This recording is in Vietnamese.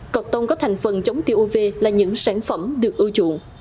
cọc tông có thành phần chống tiêu uv là những sản phẩm được ưu chuộng